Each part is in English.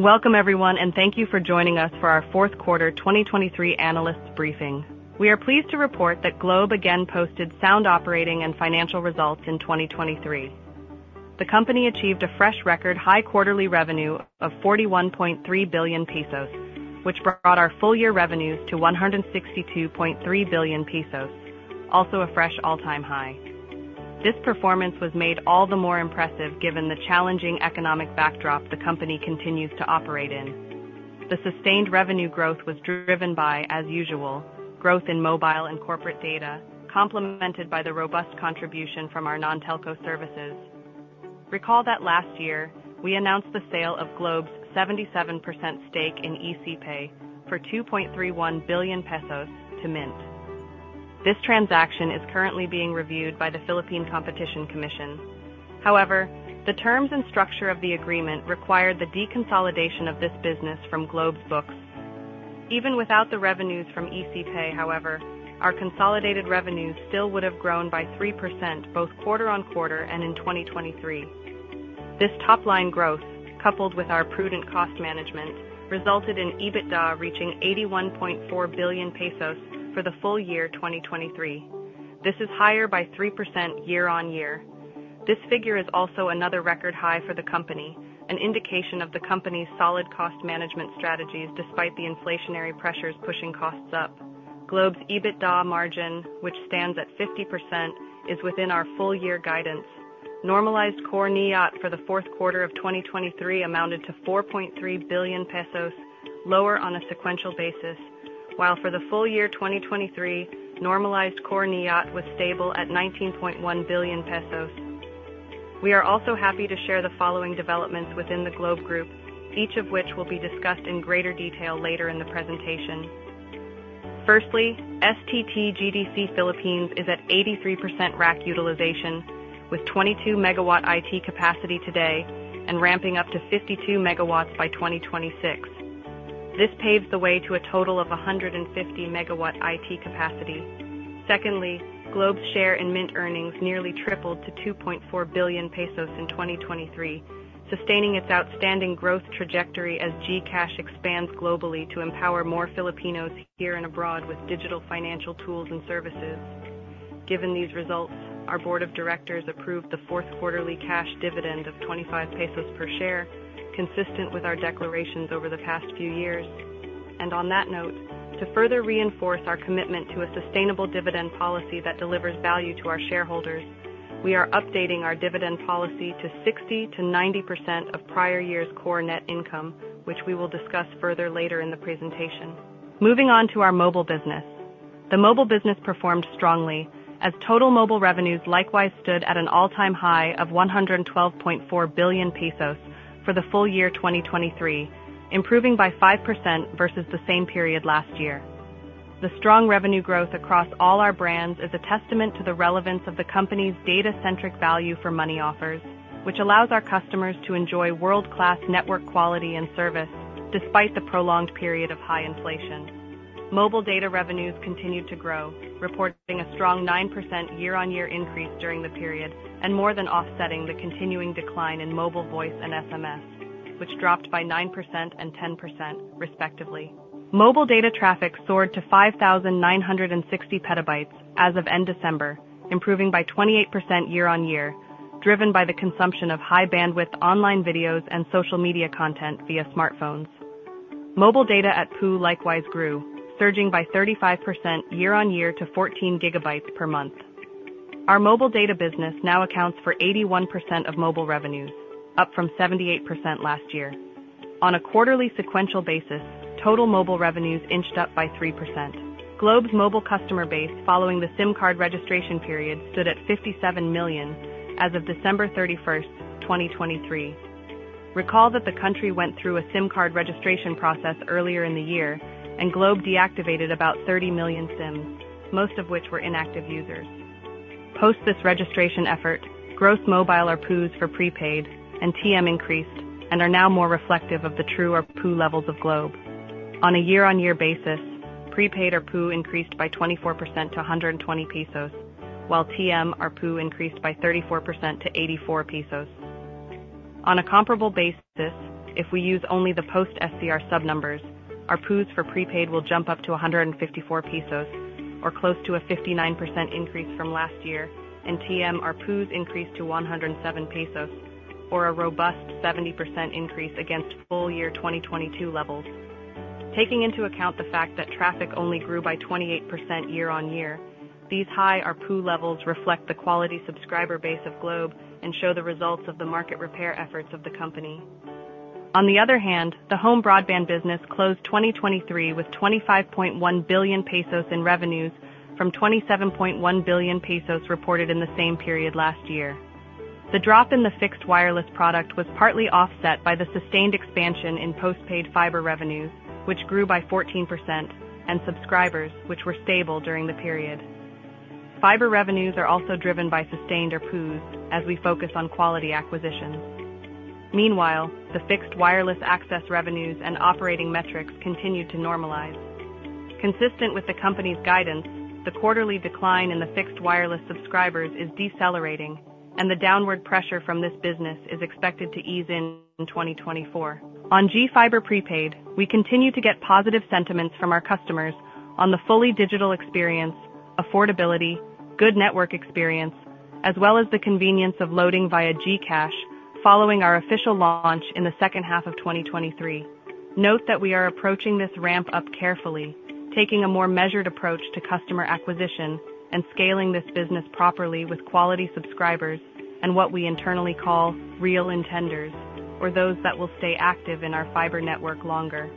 Welcome everyone, and thank you for joining us for our Q4 2023 analysts briefing. We are pleased to report that Globe again posted sound operating and financial results in 2023. The company achieved a fresh record high quarterly revenue of 41.3 billion pesos, which brought our full year revenues to 162.3 billion pesos, also a fresh all-time high. This performance was made all the more impressive given the challenging economic backdrop the company continues to operate in. The sustained revenue growth was driven by, as usual, growth in mobile and corporate data, complemented by the robust contribution from our non-telco services. Recall that last year we announced the sale of Globe's 77% stake in ECPay for 2.31 billion pesos to Mynt. This transaction is currently being reviewed by the Philippine Competition Commission. However, the terms and structure of the agreement required the deconsolidation of this business from Globe's books. Even without the revenues from ECPay, however, our consolidated revenues still would have grown by 3%, both quarter-on-quarter and in 2023. This top-line growth, coupled with our prudent cost management, resulted in EBITDA reaching 81.4 billion pesos for the full year 2023. This is higher by 3% year-on-year. This figure is also another record high for the company, an indication of the company's solid cost management strategies despite the inflationary pressures pushing costs up. Globe's EBITDA margin, which stands at 50%, is within our full year guidance. Normalized core NIAT for the Q4 of 2023 amounted to 4.3 billion pesos, lower on a sequential basis, while for the full year 2023, normalized core NIAT was stable at 19.1 billion pesos. We are also happy to share the following developments within the Globe group, each of which will be discussed in greater detail later in the presentation. Firstly, STT GDC Philippines is at 83% rack utilization, with 22 MW IT capacity today and ramping up to 52 MW by 2026. This paves the way to a total of 150 MW IT capacity. Secondly, Globe's share in Mynt earnings nearly tripled to 2.4 billion pesos in 2023, sustaining its outstanding growth trajectory as GCash expands globally to empower more Filipinos here and abroad with digital financial tools and services. Given these results, our board of directors approved the fourth quarterly cash dividend of 25 pesos per share, consistent with our declarations over the past few years. And on that note, to further reinforce our commitment to a sustainable dividend policy that delivers value to our shareholders, we are updating our dividend policy to 60%-90% of prior year's core net income, which we will discuss further later in the presentation. Moving on to our mobile business. The mobile business performed strongly as total mobile revenues likewise stood at an all-time high of 112.4 billion pesos for the full year 2023, improving by 5% versus the same period last year. The strong revenue growth across all our brands is a testament to the relevance of the company's data-centric value for money offers, which allows our customers to enjoy world-class network quality and service despite the prolonged period of high inflation. Mobile data revenues continued to grow, reporting a strong 9% year-on-year increase during the period, and more than offsetting the continuing decline in mobile voice and SMS, which dropped by 9% and 10% respectively. Mobile data traffic soared to 5,960 petabytes as of end December, improving by 28% year-on-year, driven by the consumption of high-bandwidth online videos and social media content via smartphones. Mobile data ARPU likewise grew, surging by 35% year-on-year to 14 gigabytes per month. Our mobile data business now accounts for 81% of mobile revenues, up from 78% last year. On a quarterly sequential basis, total mobile revenues inched up by 3%. Globe's mobile customer base, following the SIM card registration period, stood at 57 million as of December 31, 2023. Recall that the country went through a SIM card registration process earlier in the year, and Globe deactivated about 30 million SIMs, most of which were inactive users. Post this registration effort, gross mobile ARPUs for prepaid and TM increased and are now more reflective of the true ARPU levels of Globe. On a year-on-year basis, prepaid ARPU increased by 24% to 120 pesos, while TM ARPU increased by 34% to 84 pesos. On a comparable basis, if we use only the post FCR sub numbers, ARPUs for prepaid will jump up to 154 pesos, or close to a 59% increase from last year, and TM ARPUs increased to 107 pesos, or a robust 70% increase against full year 2022 levels. Taking into account the fact that traffic only grew by 28% year-on-year, these high ARPU levels reflect the quality subscriber base of Globe and show the results of the market repair efforts of the company. On the other hand, the home broadband business closed 2023 with 25.1 billion pesos in revenues from 27.1 billion pesos reported in the same period last year. The drop in the fixed wireless product was partly offset by the sustained expansion in postpaid fiber revenues, which grew by 14%, and subscribers, which were stable during the period. Fiber revenues are also driven by sustained ARPUs as we focus on quality acquisitions. Meanwhile, the fixed wireless access revenues and operating metrics continued to normalize. Consistent with the company's guidance, the quarterly decline in the fixed wireless subscribers is decelerating, and the downward pressure from this business is expected to ease in 2024. On GFiber Prepaid, we continue to get positive sentiments from our customers on the fully digital experience, affordability, good network experience, as well as the convenience of loading via GCash, following our official launch in the second half of 2023. Note that we are approaching this ramp-up carefully, taking a more measured approach to customer acquisition and scaling this business properly with quality subscribers and what we internally call real intenders, or those that will stay active in our fiber network longer.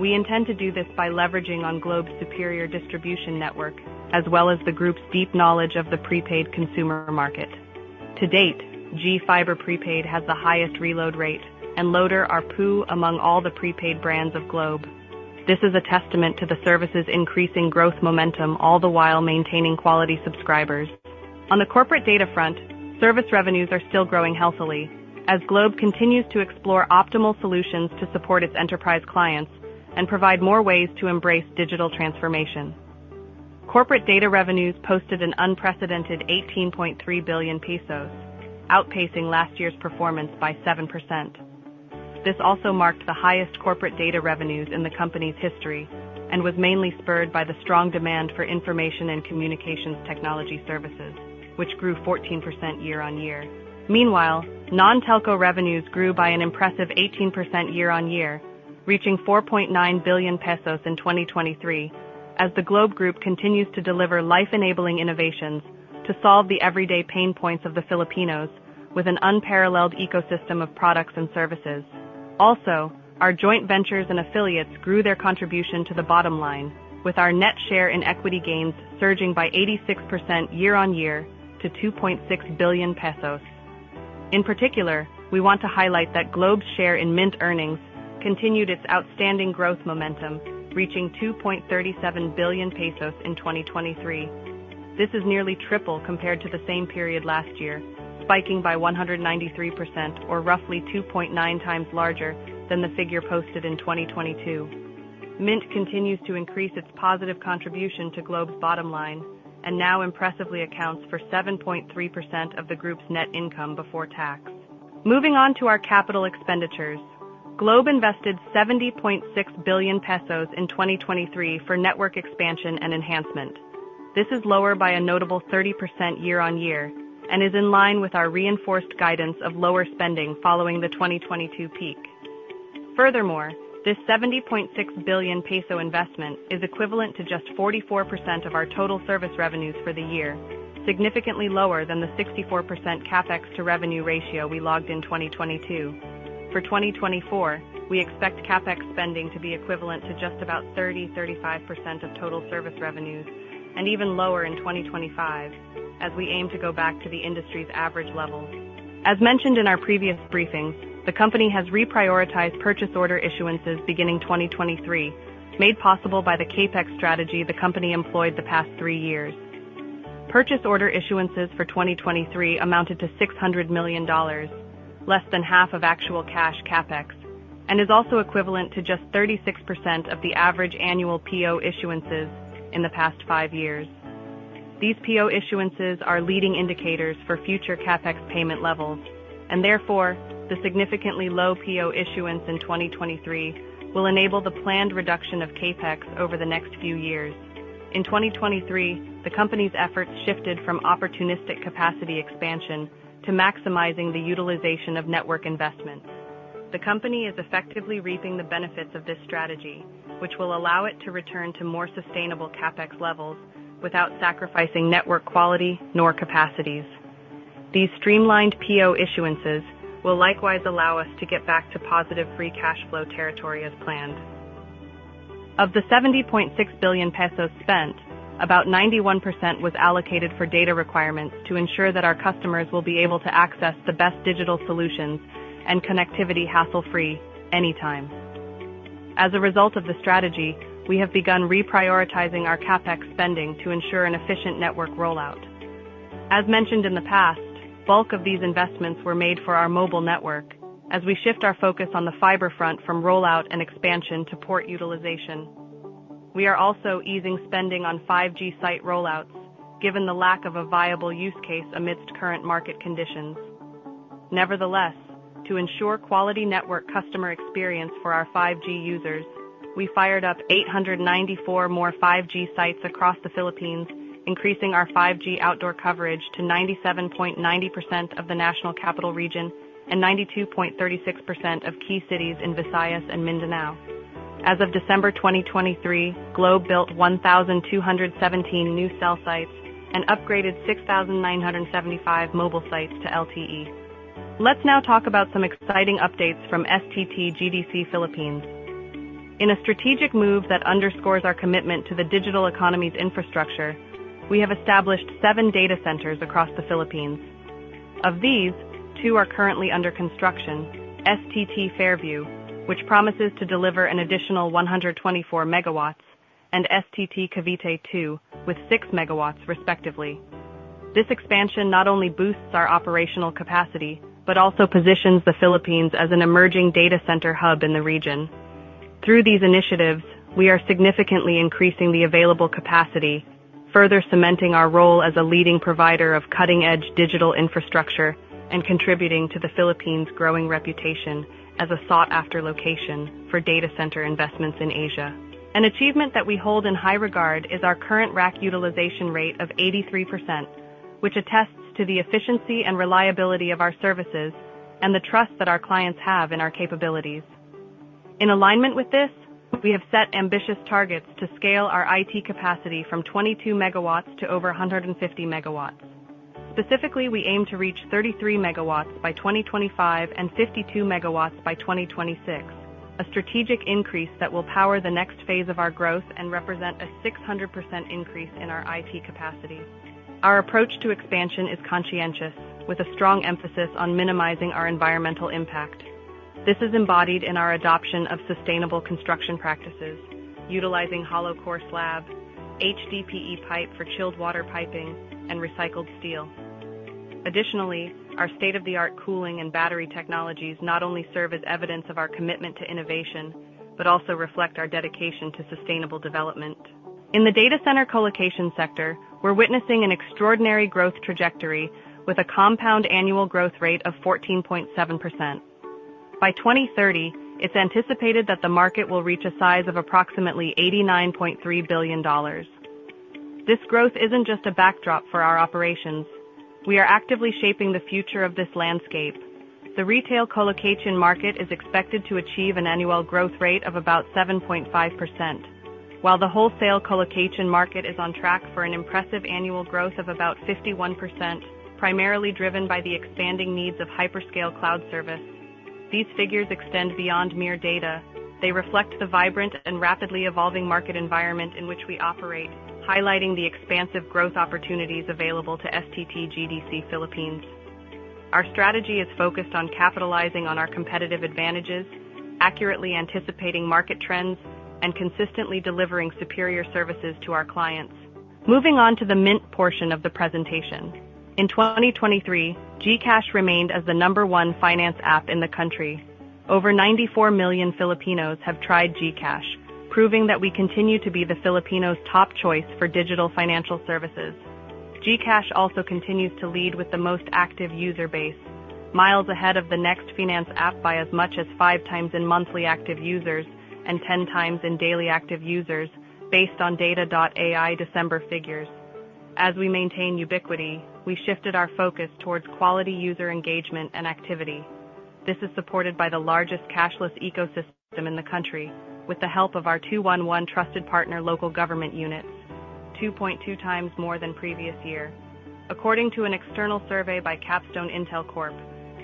We intend to do this by leveraging on Globe's superior distribution network, as well as the group's deep knowledge of the prepaid consumer market. To date, GFiber Prepaid has the highest reload rate and loader ARPU among all the prepaid brands of Globe. This is a testament to the service's increasing growth momentum, all the while maintaining quality subscribers. On the corporate data front, service revenues are still growing healthily as Globe continues to explore optimal solutions to support its enterprise clients and provide more ways to embrace digital transformation. Corporate data revenues posted an unprecedented 18.3 billion pesos, outpacing last year's performance by 7%. This also marked the highest corporate data revenues in the company's history and was mainly spurred by the strong demand for information and communications technology services, which grew 14% year-on-year. Meanwhile, non-telco revenues grew by an impressive 18% year-on-year, reaching 4.9 billion pesos in 2023, as the Globe group continues to deliver life-enabling innovations to solve the everyday pain points of the Filipinos with an unparalleled ecosystem of products and services. Also, our joint ventures and affiliates grew their contribution to the bottom line, with our net share in equity gains surging by 86% year-on-year to 2.6 billion pesos. In particular, we want to highlight that Globe's share in Mynt earnings continued its outstanding growth momentum, reaching 2.37 billion pesos in 2023. This is nearly triple compared to the same period last year, spiking by 193% or roughly 2.9 times larger than the figure posted in 2022. Mynt continues to increase its positive contribution to Globe's bottom line and now impressively accounts for 7.3% of the group's net income before tax. Moving on to our capital expenditures, Globe invested 70.6 billion pesos in 2023 for network expansion and enhancement. This is lower by a notable 30% year-on-year and is in line with our reinforced guidance of lower spending following the 2022 peak. Furthermore, this 70.6 billion peso investment is equivalent to just 44% of our total service revenues for the year, significantly lower than the 64% CapEx to revenue ratio we logged in 2022. For 2024, we expect CapEx spending to be equivalent to just about 30%-35% of total service revenues, and even lower in 2025 as we aim to go back to the industry's average levels. As mentioned in our previous briefings, the company has reprioritized purchase order issuances beginning 2023, made possible by the CapEx strategy the company employed the past three years. Purchase order issuances for 2023 amounted to $600 million, less than half of actual cash CapEx, and is also equivalent to just 36% of the average annual PO issuances in the past five years. These PO issuances are leading indicators for future CapEx payment levels, and therefore, the significantly low PO issuance in 2023 will enable the planned reduction of CapEx over the next few years. In 2023, the company's efforts shifted from opportunistic capacity expansion to maximizing the utilization of network investments. The company is effectively reaping the benefits of this strategy, which will allow it to return to more sustainable CapEx levels without sacrificing network quality nor capacities. These streamlined PO issuances will likewise allow us to get back to positive free cash flow territory as planned. Of the 70.6 billion pesos spent, about 91% was allocated for data requirements to ensure that our customers will be able to access the best digital solutions and connectivity hassle-free anytime. As a result of the strategy, we have begun reprioritizing our CapEx spending to ensure an efficient network rollout. As mentioned in the past, bulk of these investments were made for our mobile network as we shift our focus on the fiber front from rollout and expansion to port utilization. We are also easing spending on 5G site rollouts, given the lack of a viable use case amidst current market conditions. Nevertheless, to ensure quality network customer experience for our 5G users, we fired up 894 more 5G sites across the Philippines, increasing our 5G outdoor coverage to 97.90% of the National Capital Region and 92.36% of key cities in Visayas and Mindanao. As of December 2023, Globe built 1,217 new cell sites and upgraded 6,975 mobile sites to LTE. Let's now talk about some exciting updates from STT GDC Philippines. In a strategic move that underscores our commitment to the digital economy's infrastructure, we have established 7 data centers across the Philippines. Of these, 2 are currently under construction: STT Fairview, which promises to deliver an additional 124 MW, and STT Cavite Two, with 6 MW, respectively. This expansion not only boosts our operational capacity, but also positions the Philippines as an emerging data center hub in the region. Through these initiatives, we are significantly increasing the available capacity, further cementing our role as a leading provider of cutting-edge digital infrastructure and contributing to the Philippines' growing reputation as a sought-after location for data center investments in Asia. An achievement that we hold in high regard is our current rack utilization rate of 83%, which attests to the efficiency and reliability of our services and the trust that our clients have in our capabilities. In alignment with this, we have set ambitious targets to scale our IT capacity from 22 megawatts to over 150 megawatts. Specifically, we aim to reach 33 megawatts by 2025 and 52 megawatts by 2026, a strategic increase that will power the next phase of our growth and represent a 600% increase in our IT capacity. Our approach to expansion is conscientious, with a strong emphasis on minimizing our environmental impact. This is embodied in our adoption of sustainable construction practices, utilizing Hollow Core Slabs, HDPE pipe for chilled water piping, and recycled steel. Additionally, our state-of-the-art cooling and battery technologies not only serve as evidence of our commitment to innovation, but also reflect our dedication to sustainable development. In the data center colocation sector, we're witnessing an extraordinary growth trajectory with a compound annual growth rate of 14.7%. By 2030, it's anticipated that the market will reach a size of approximately $89.3 billion. This growth isn't just a backdrop for our operations. We are actively shaping the future of this landscape. The retail colocation market is expected to achieve an annual growth rate of about 7.5%, while the wholesale colocation market is on track for an impressive annual growth of about 51%, primarily driven by the expanding needs of hyperscalers. These figures extend beyond mere data. They reflect the vibrant and rapidly evolving market environment in which we operate, highlighting the expansive growth opportunities available to STT GDC Philippines. Our strategy is focused on capitalizing on our competitive advantages, accurately anticipating market trends, and consistently delivering superior services to our clients. Moving on to the Mynt portion of the presentation. In 2023, GCash remained as the number one finance app in the country. Over 94 million Filipinos have tried GCash, proving that we continue to be the Filipinos' top choice for digital financial services. GCash also continues to lead with the most active user base, miles ahead of the next finance app by as much as 5 times in monthly active users and 10 times in daily active users, based on data.ai December figures. As we maintain ubiquity, we shifted our focus towards quality user engagement and activity. This is supported by the largest cashless ecosystem in the country, with the help of our 211 trusted partners, local government units, 2.2 times more than previous year. According to an external survey by Capstone Intel Corp,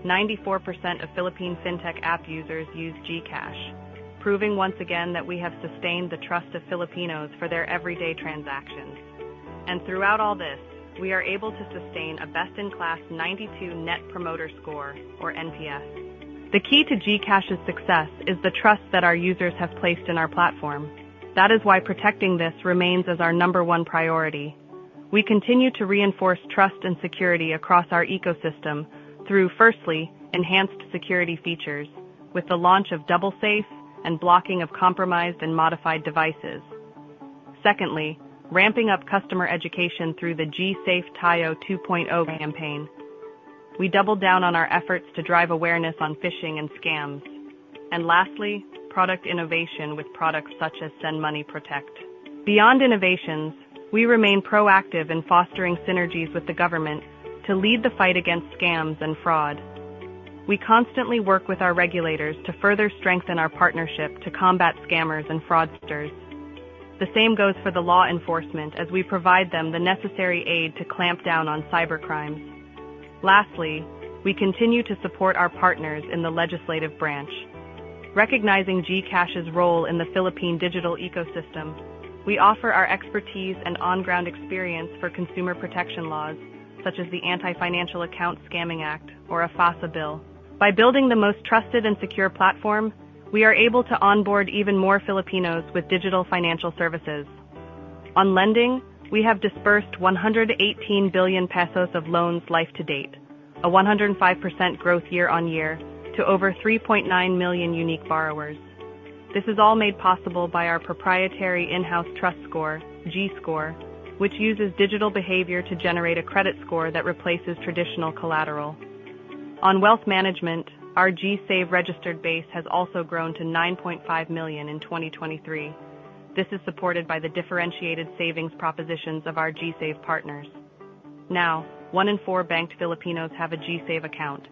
94% of Philippine fintech app users use GCash, proving once again that we have sustained the trust of Filipinos for their everyday transactions. Throughout all this, we are able to sustain a best-in-class 92 Net Promoter Score, or NPS. The key to GCash's success is the trust that our users have placed in our platform. That is why protecting this remains as our number one priority. We continue to reinforce trust and security across our ecosystem through, firstly, enhanced security features, with the launch of DoubleSafe and blocking of compromised and modified devices. Secondly, ramping up customer education through the GSafe Tayo 2.0 campaign. We doubled down on our efforts to drive awareness on phishing and scams. Lastly, product innovation with products such as Send Money Protect. Beyond innovations, we remain proactive in fostering synergies with the government to lead the fight against scams and fraud. We constantly work with our regulators to further strengthen our partnership to combat scammers and fraudsters. The same goes for the law enforcement, as we provide them the necessary aid to clamp down on cybercrime. Lastly, we continue to support our partners in the legislative branch. Recognizing GCash's role in the Philippine digital ecosystem, we offer our expertise and on-ground experience for consumer protection laws, such as the Anti-Financial Account Scamming Act, or AFASA bill. By building the most trusted and secure platform, we are able to onboard even more Filipinos with digital financial services. On lending, we have disbursed 118 billion pesos of loans life to date, a 105% growth year-on-year to over 3.9 million unique borrowers. This is all made possible by our proprietary in-house trust score, GScore, which uses digital behavior to generate a credit score that replaces traditional collateral. On wealth management, our GSave registered base has also grown to 9.5 million in 2023. This is supported by the differentiated savings propositions of our GSave partners. Now, one in four banked Filipinos have a GSave account.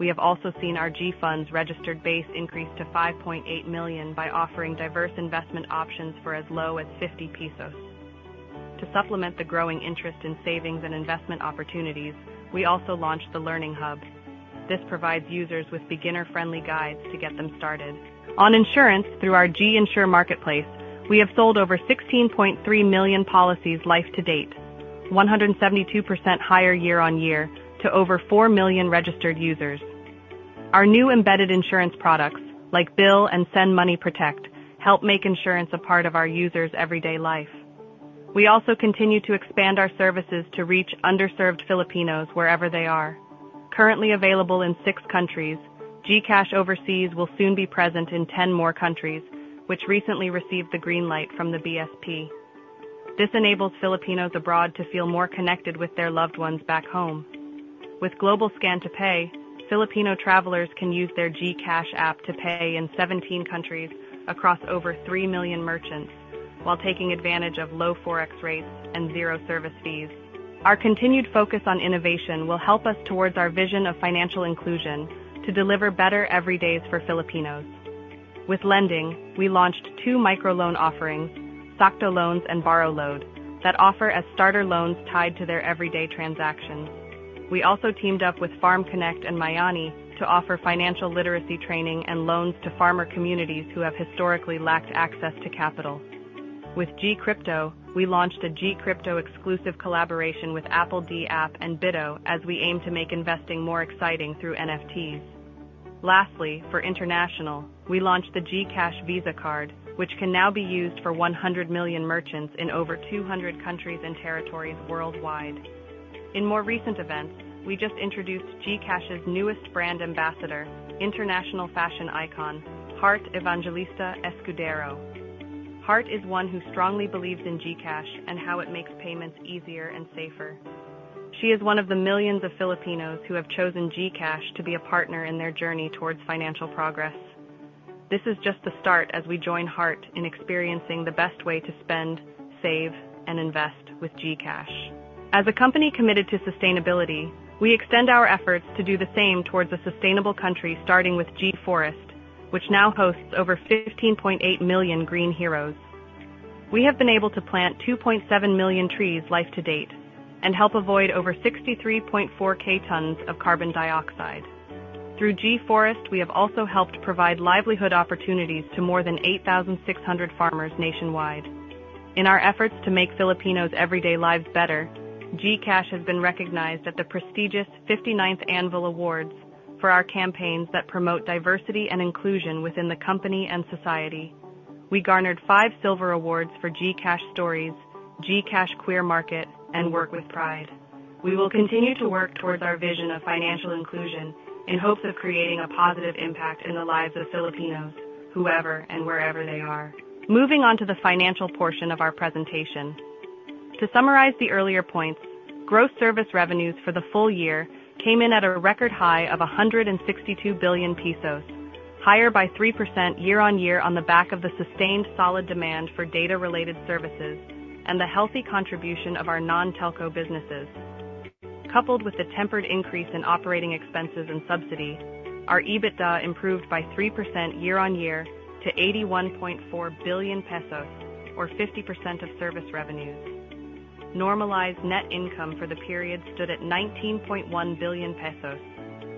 We have also seen our GFunds registered base increase to 5.8 million by offering diverse investment options for as low as 50 pesos. To supplement the growing interest in savings and investment opportunities, we also launched the Learning Hub. This provides users with beginner-friendly guides to get them started. On insurance through our GInsure marketplace, we have sold over 16.3 million policies life to date, 172% higher year-over-year to over 4 million registered users. Our new embedded insurance products, like Bill and Send Money Protect, help make insurance a part of our users' everyday life. We also continue to expand our services to reach underserved Filipinos wherever they are. Currently available in 6 countries, GCash Overseas will soon be present in 10 more countries, which recently received the green light from the BSP. This enables Filipinos abroad to feel more connected with their loved ones back home. With Global Scan to Pay, Filipino travelers can use their GCash app to pay in 17 countries across over 3 million merchants, while taking advantage of low forex rates and zero service fees. Our continued focus on innovation will help us towards our vision of financial inclusion to deliver better everyday for Filipinos. With lending, we launched two microloan offerings, Sakto Loans and Borrow Load, that offer as starter loans tied to their everyday transactions. We also teamed up with FarmKonekt and Mayani to offer financial literacy training and loans to farmer communities who have historically lacked access to capital. With GCrypto, we launched a GCrypto exclusive collaboration with Apl.de.Ap and Bitto, as we aim to make investing more exciting through NFTs. Lastly, for international, we launched the GCash Visa card, which can now be used for 100 million merchants in over 200 countries and territories worldwide. In more recent events, we just introduced GCash's newest brand ambassador, international fashion icon, Heart Evangelista Escudero. Heart is one who strongly believes in GCash and how it makes payments easier and safer. She is one of the millions of Filipinos who have chosen GCash to be a partner in their journey towards financial progress. This is just the start as we join Heart in experiencing the best way to spend, save, and invest with GCash. As a company committed to sustainability, we extend our efforts to do the same towards a sustainable country, starting with GForest, which now hosts over 15.8 million green heroes. We have been able to plant 2.7 million trees to date and help avoid over 63,400 tons of carbon dioxide. Through GForest, we have also helped provide livelihood opportunities to more than 8,600 farmers nationwide. In our efforts to make Filipinos' everyday lives better, GCash has been recognized at the prestigious 59th Anvil Awards for our campaigns that promote diversity and inclusion within the company and society. We garnered five silver awards for GCash Stories, GCash Queer Market, and Work with Pride. We will continue to work towards our vision of financial inclusion in hopes of creating a positive impact in the lives of Filipinos, whoever and wherever they are. Moving on to the financial portion of our presentation. To summarize the earlier points, gross service revenues for the full year came in at a record high of 162 billion pesos, higher by 3% year-on-year on the back of the sustained solid demand for data-related services and the healthy contribution of our non-telco businesses. Coupled with the tempered increase in operating expenses and subsidy, our EBITDA improved by 3% year-on-year to 81.4 billion pesos, or 50% of service revenues. Normalized net income for the period stood at 19.1 billion pesos,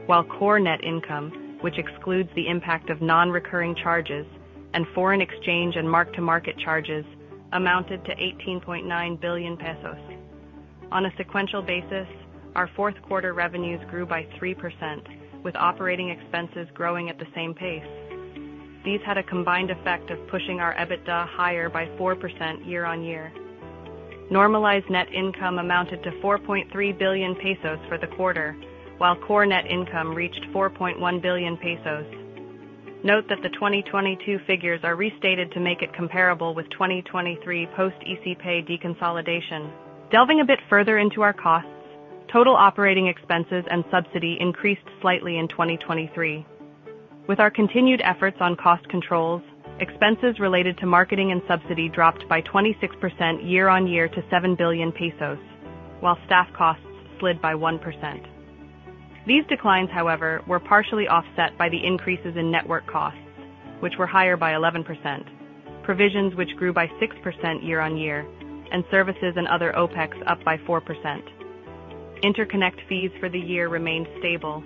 while core net income, which excludes the impact of non-recurring charges and foreign exchange and mark-to-market charges, amounted to 18.9 billion pesos. On a sequential basis, our Q4 revenues grew by 3%, with operating expenses growing at the same pace. These had a combined effect of pushing our EBITDA higher by 4% year-on-year. Normalized net income amounted to 4.3 billion pesos for the quarter, while core net income reached 4.1 billion pesos. Note that the 2022 figures are restated to make it comparable with 2023 post-ECPay deconsolidation. Delving a bit further into our costs, total operating expenses and subsidy increased slightly in 2023. With our continued efforts on cost controls, expenses related to marketing and subsidy dropped by 26% year-on-year to 7 billion pesos, while staff costs slid by 1%. These declines, however, were partially offset by the increases in network costs, which were higher by 11%, provisions which grew by 6% year-on-year, and services and other OpEx up by 4%. Interconnect fees for the year remained stable.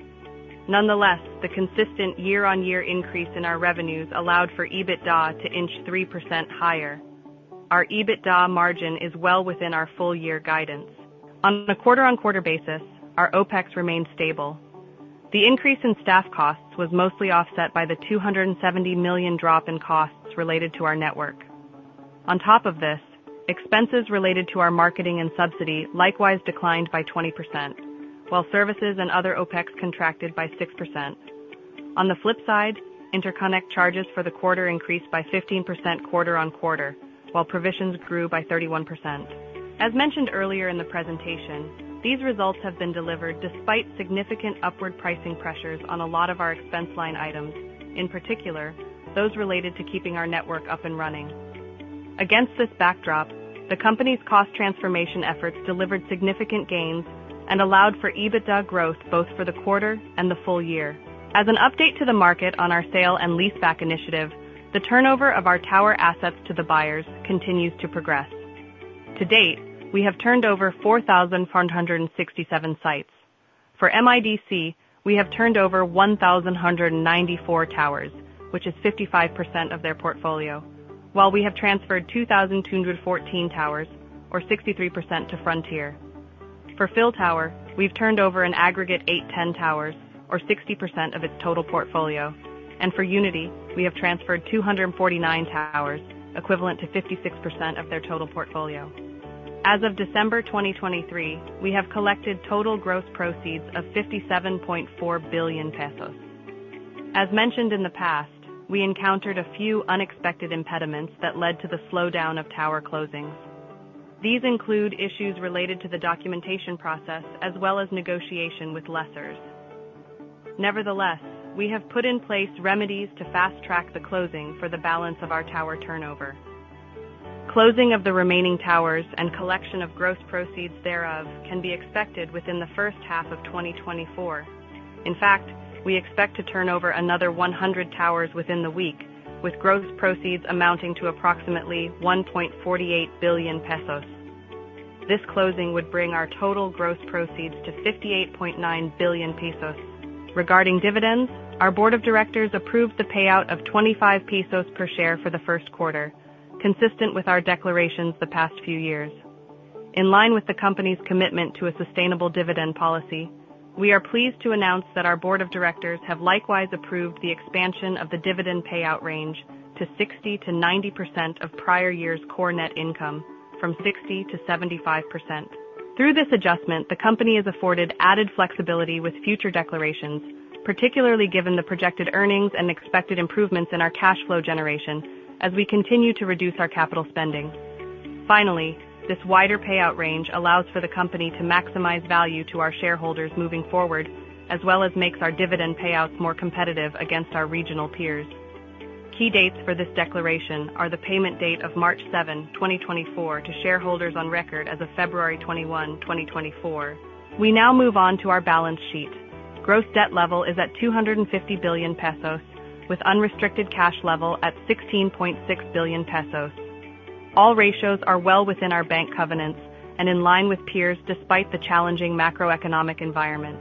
Nonetheless, the consistent year-on-year increase in our revenues allowed for EBITDA to inch 3% higher. Our EBITDA margin is well within our full year guidance. On a quarter-on-quarter basis, our OpEx remained stable. The increase in staff costs was mostly offset by the 270 million drop in costs related to our network. On top of this, expenses related to our marketing and subsidy likewise declined by 20%, while services and other OpEx contracted by 6%. On the flip side, interconnect charges for the quarter increased by 15% quarter-on-quarter, while provisions grew by 31%. As mentioned earlier in the presentation, these results have been delivered despite significant upward pricing pressures on a lot of our expense line items, in particular, those related to keeping our network up and running. Against this backdrop, the company's cost transformation efforts delivered significant gains and allowed for EBITDA growth both for the quarter and the full year. As an update to the market on our sale and leaseback initiative, the turnover of our tower assets to the buyers continues to progress. To date, we have turned over 4,467 sites. For MIDC, we have turned over 1,194 towers, which is 55% of their portfolio, while we have transferred 2,214 towers, or 63%, to Frontier. For PhilTower, we've turned over an aggregate 810 towers, or 60% of its total portfolio, and for Unity, we have transferred 249 towers, equivalent to 56% of their total portfolio. As of December 2023, we have collected total gross proceeds of 57.4 billion pesos. As mentioned in the past, we encountered a few unexpected impediments that led to the slowdown of tower closings. These include issues related to the documentation process as well as negotiation with lessors. Nevertheless, we have put in place remedies to fast-track the closing for the balance of our tower turnover. Closing of the remaining towers and collection of gross proceeds thereof can be expected within the first half of 2024. In fact, we expect to turn over another 100 towers within the week, with gross proceeds amounting to approximately 1.48 billion pesos. This closing would bring our total gross proceeds to 58.9 billion pesos. Regarding dividends, our board of directors approved the payout of 25 pesos per share for the Q1, consistent with our declarations the past few years. In line with the company's commitment to a sustainable dividend policy, we are pleased to announce that our board of directors have likewise approved the expansion of the dividend payout range to 60%-90% of prior year's core net income, from 60%-75%. Through this adjustment, the company is afforded added flexibility with future declarations, particularly given the projected earnings and expected improvements in our cash flow generation as we continue to reduce our capital spending. Finally, this wider payout range allows for the company to maximize value to our shareholders moving forward, as well as makes our dividend payouts more competitive against our regional peers. Key dates for this declaration are the payment date of March 7, 2024, to shareholders on record as of February 21, 2024. We now move on to our balance sheet. Gross debt level is at 250 billion pesos, with unrestricted cash level at 16.6 billion pesos. All ratios are well within our bank covenants and in line with peers, despite the challenging macroeconomic environment.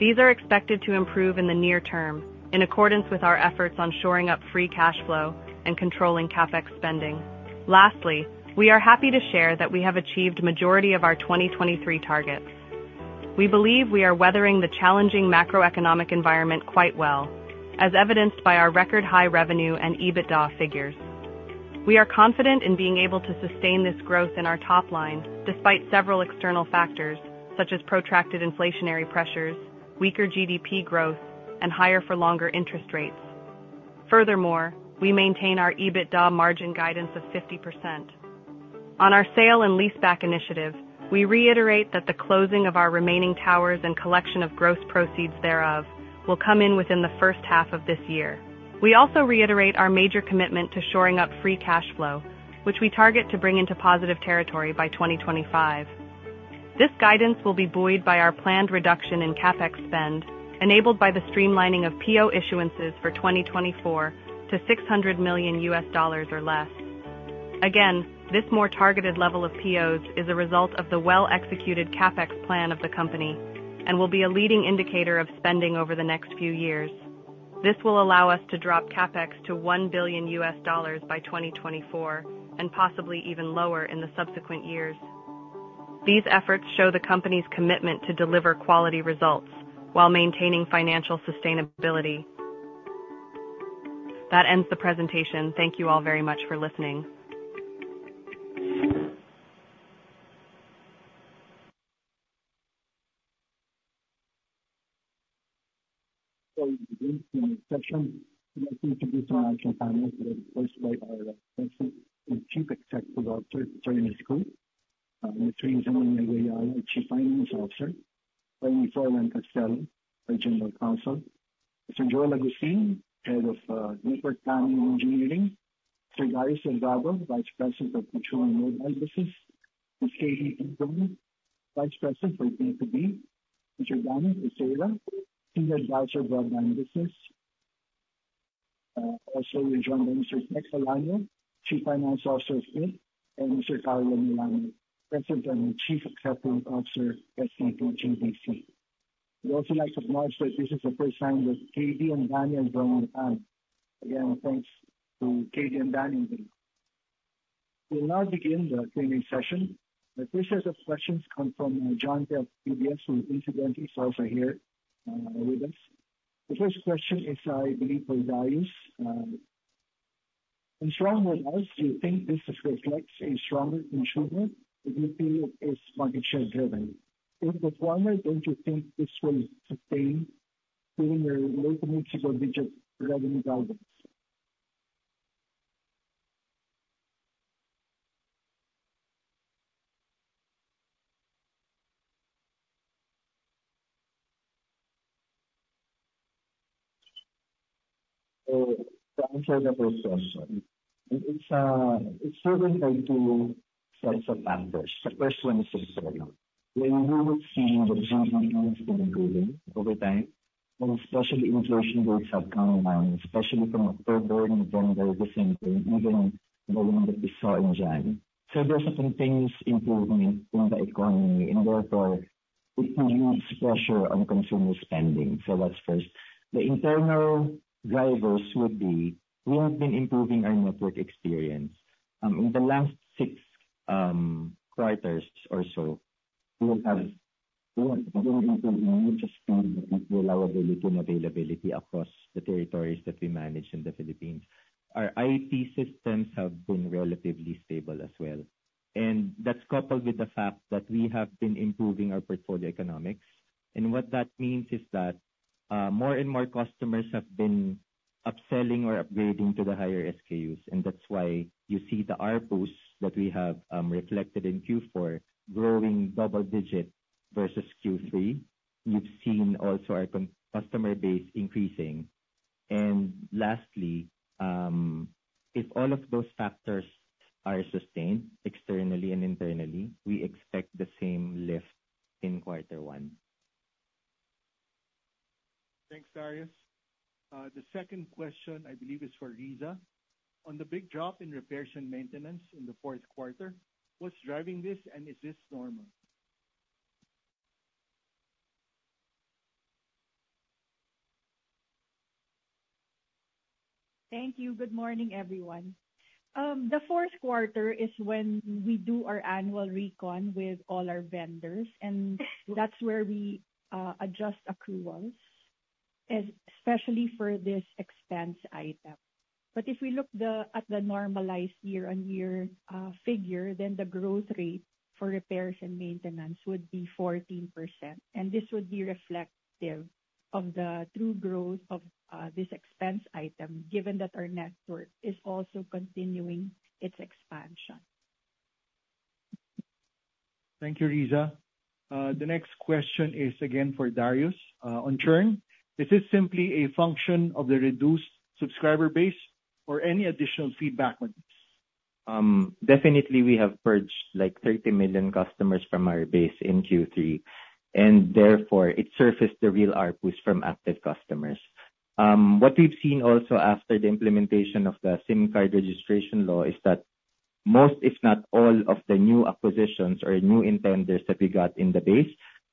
These are expected to improve in the near term, in accordance with our efforts on shoring up Free Cash Flow and controlling CapEx spending. Lastly, we are happy to share that we have achieved majority of our 2023 targets. We believe we are weathering the challenging macroeconomic environment quite well, as evidenced by our record high revenue and EBITDA figures. We are confident in being able to sustain this growth in our top line, despite several external factors such as protracted inflationary pressures, weaker GDP growth, and higher for longer interest rates. Furthermore, we maintain our EBITDA margin guidance of 50%. On our Sale and Leaseback initiative, we reiterate that the closing of our remaining towers and collection of gross proceeds thereof will come in within the first half of this year. We also reiterate our major commitment to shoring up free cash flow, which we target to bring into positive territory by 2025. This guidance will be buoyed by our planned reduction in CapEx spend, enabled by the streamlining of PO issuances for 2024 to $600 million or less. Again, this more targeted level of POs is a result of the well-executed CapEx plan of the company and will be a leading indicator of spending over the next few years. This will allow us to drop CapEx to $1 billion by 2024, and possibly even lower in the subsequent years. These efforts show the company's commitment to deliver quality results while maintaining financial sustainability. That ends the presentation. Thank you all very much for listening. So in this section, let me introduce our actual panelists, first by our President and Chief Executive Officer, Ernest Cu. Maitri Jamnongnua, Chief Finance Officer. Froilan Castelo, our General Counsel. Mr. Joel Agustin, Head of Network Planning and Engineering. Sir Darius Delgado, Vice President of Consumer and Mobile Business. KD Dizon, Vice President for B2B. Mr. Daniel Acera, Senior Advisor, Broadband Business. Also we're joined by Mr. Nick Solano, Chief Finance Officer of INC, and Mr. Carlo Malana, President and Chief Executive Officer of STT and GDC. We'd also like to acknowledge that this is the first time that KD and Daniel join us. Again, thanks to KD and Daniel. We'll now begin the Q&A session. The first set of questions come from John Del DBS, who incidentally is also here with us. The first question is, I believe, for Darius. In strong with us, do you think this reflects a stronger consumer, or do you feel it is market share driven? If the former, don't you think this will sustain during a low- to mid-single-digit revenue guidance? Thank you for the question. It's driven by two sets of factors. The first one is this, we would see that improvement has been improving over time, and especially inflation rates have come down, especially from October, and then there is the same thing, even the one that we saw in January. So there are certain things improving in the economy in order for-... it will ease pressure on consumer spending. So that's first. The internal drivers would be, we have been improving our network experience. In the last six quarters or so, we have, we have improved just from network availability and availability across the territories that we manage in the Philippines. Our IT systems have been relatively stable as well, and that's coupled with the fact that we have been improving our portfolio economics. And what that means is that, more and more customers have been upselling or upgrading to the higher SKUs, and that's why you see the ARPU that we have reflected in Q4 growing double-digit versus Q3. You've seen also our customer base increasing. And lastly, if all of those factors are sustained externally and internally, we expect the same lift in quarter one. Thanks, Darius. The second question, I believe, is for Rizza. On the big drop in repairs and maintenance in the Q4, what's driving this, and is this normal? Thank you. Good morning, everyone. The Q4 is when we do our annual recon with all our vendors, and that's where we adjust accruals, especially for this expense item. But if we look at the normalized year-on-year figure, then the growth rate for repairs and maintenance would be 14%, and this would be reflective of the true growth of this expense item, given that our network is also continuing its expansion. Thank you, Rizza. The next question is again for Darius. On churn, is this simply a function of the reduced subscriber base or any additional feedback on this? Definitely we have purged like 30 million customers from our base in Q3, and therefore, it surfaced the real ARPU from active customers. What we've seen also after the implementation of the SIM card registration law is that most, if not all, of the new acquisitions or new intenders that we got in the base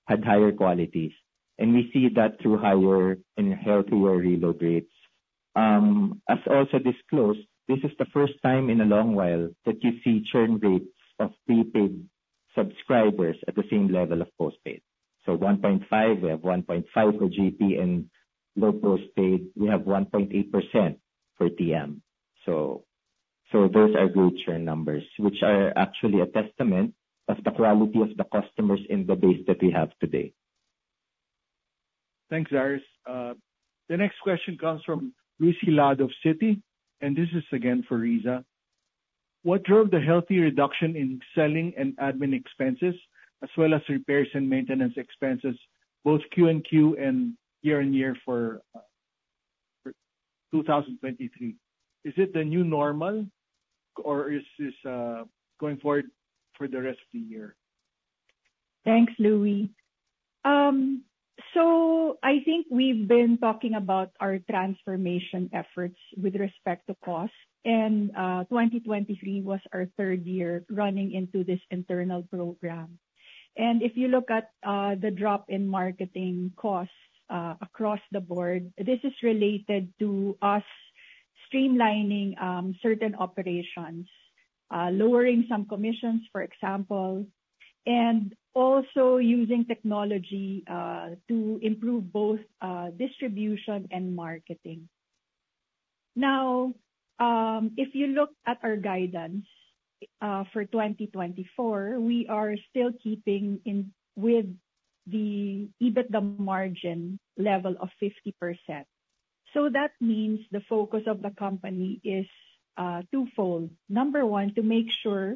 had higher qualities, and we see that through higher and healthier reload rates. As also disclosed, this is the first time in a long while that you see churn rates of prepaid subscribers at the same level of postpaid. So one point five, we have one point five for GP and Globe postpaid, we have 1.8% for TM. So those are good churn numbers, which are actually a testament of the quality of the customers in the base that we have today. Thanks, Darius. The next question comes from Luis Hilado of Citi, and this is again for Rizza. What drove the healthy reduction in selling and admin expenses, as well as repairs and maintenance expenses, both Q&Q and year-on-year for 2023? Is it the new normal, or is this going forward for the rest of the year? Thanks, Louie. So I think we've been talking about our transformation efforts with respect to cost, and 2023 was our third year running into this internal program. If you look at the drop in marketing costs across the board, this is related to us streamlining certain operations, lowering some commissions, for example, and also using technology to improve both distribution and marketing. Now, if you look at our guidance for 2024, we are still keeping in with the EBITDA margin level of 50%. So that means the focus of the company is twofold. Number one, to make sure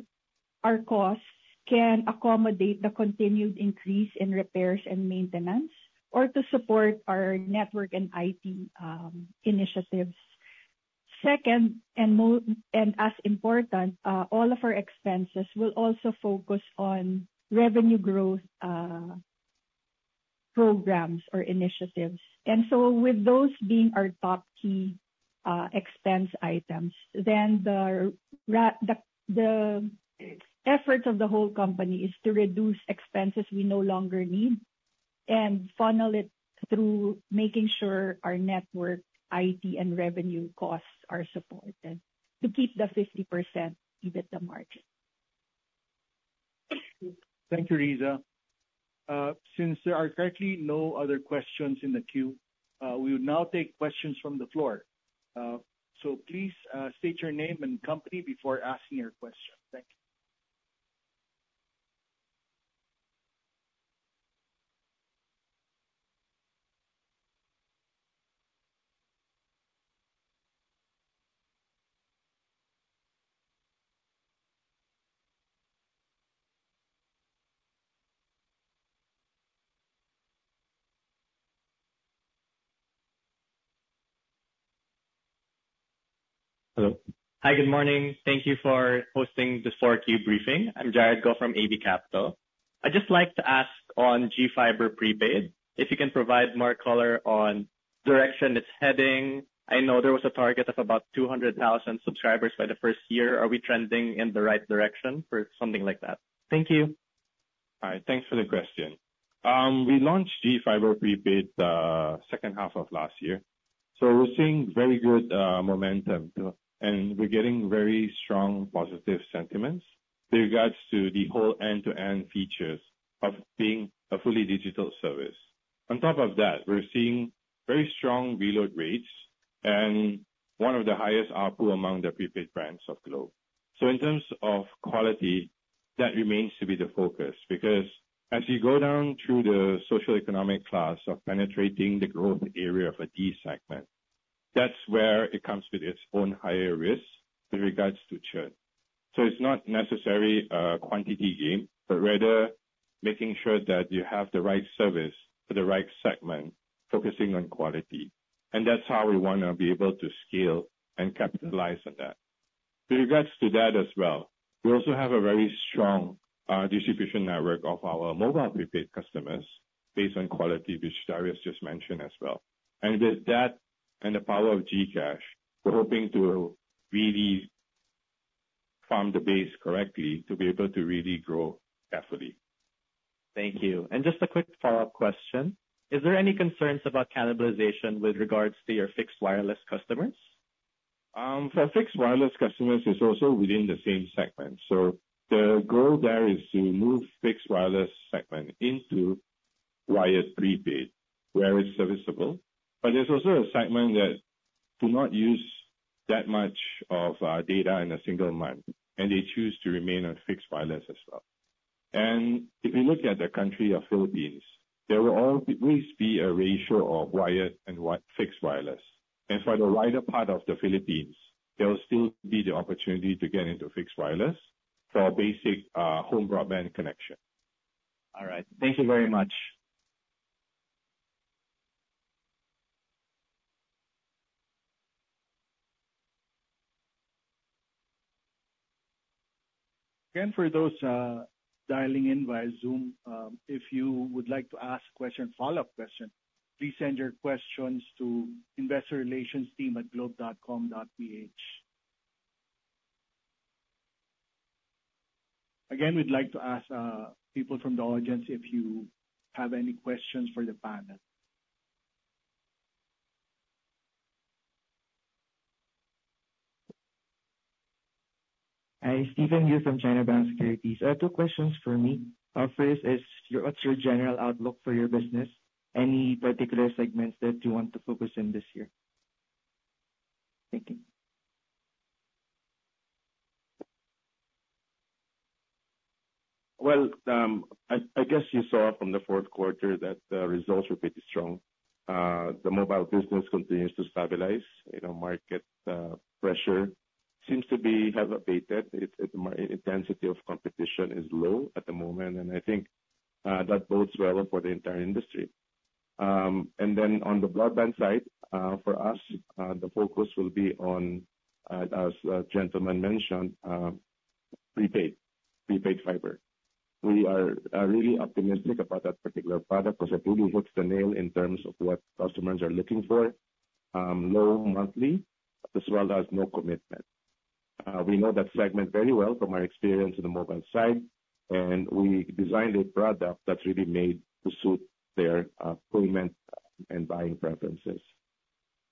our costs can accommodate the continued increase in repairs and maintenance, or to support our network and IT initiatives. Second, and as important, all of our expenses will also focus on revenue growth programs or initiatives. And so with those being our top key expense items, then the efforts of the whole company is to reduce expenses we no longer need and funnel it through making sure our network, IT, and revenue costs are supported to keep the 50% EBITDA margin. Thank you, Rizza. Since there are currently no other questions in the queue, we will now take questions from the floor. Please, state your name and company before asking your question. Thank you. Hello. Hi, good morning. Thank you for hosting this Q4 briefing. I'm Jared Go from AB Capital. I'd just like to ask on G Fiber Prepaid, if you can provide more color on direction it's heading. I know there was a target of about 200,000 subscribers by the first year. Are we trending in the right direction for something like that? Thank you.... All right, thanks for the question. We launched G Fiber Prepaid second half of last year. So we're seeing very good momentum, and we're getting very strong positive sentiments with regards to the whole end-to-end features of being a fully digital service. On top of that, we're seeing very strong reload rates and one of the highest ARPU among the prepaid brands of Globe. So in terms of quality, that remains to be the focus. Because as you go down through the socioeconomic class of penetrating the growth area of a D segment, that's where it comes with its own higher risk with regards to churn. So it's not necessarily a quantity game, but rather making sure that you have the right service for the right segment, focusing on quality. And that's how we wanna be able to scale and capitalize on that. With regards to that as well, we also have a very strong distribution network of our mobile prepaid customers based on quality, which Darius just mentioned as well. And with that and the power of GCash, we're hoping to really form the base correctly to be able to really grow carefully. Thank you. Just a quick follow-up question: Is there any concerns about cannibalization with regards to your fixed wireless customers? For fixed wireless customers, it's also within the same segment. So the goal there is to move fixed wireless segment into wired prepaid, where it's serviceable. But there's also a segment that do not use that much of data in a single month, and they choose to remain on fixed wireless as well. If you look at the country of Philippines, there will always be a ratio of wired and fixed wireless. For the wider part of the Philippines, there will still be the opportunity to get into fixed wireless for a basic home broadband connection. All right. Thank you very much. For those dialing in via Zoom, if you would like to ask a question, follow-up question, please send your questions to investorrelationsteam@globe.com.ph. Again, we'd like to ask people from the audience if you have any questions for the panel. Hi, Steven Yu from China Bank Securities. I have two questions for me. First is, what's your general outlook for your business? Any particular segments that you want to focus in this year? Thank you. Well, I guess you saw from the Q4 that the results were pretty strong. The mobile business continues to stabilize. You know, market pressure seems to have abated. The intensity of competition is low at the moment, and I think that bodes well for the entire industry. And then on the broadband side, for us, the focus will be on, as a gentleman mentioned, prepaid fiber. We are really optimistic about that particular product because it really hits the nail in terms of what customers are looking for, low monthly as well as no commitment. We know that segment very well from our experience in the mobile side, and we designed a product that really made to suit their payment and buying preferences.